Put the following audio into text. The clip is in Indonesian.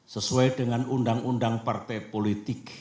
sesuai dengan undang undang partai politik